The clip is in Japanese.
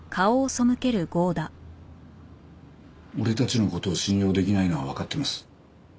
俺たちの事を信用できないのはわかってます。